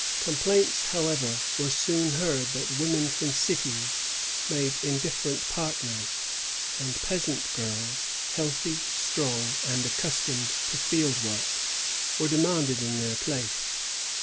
Complaints, however, were soon heard that women from cities made indifferent partners ; and peasant girls, healthy, strong, and accustomed to field work, were demanded in their place.